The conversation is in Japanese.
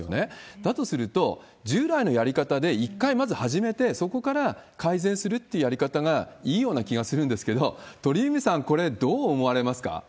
だとすると、従来のやり方で一回まず始めて、そこから改善するっていうやり方がいいような気がするんですけど、鳥海さん、これ、どう思われますか？